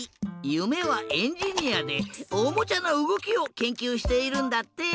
ゆめはエンジニアでおもちゃのうごきをけんきゅうしているんだって！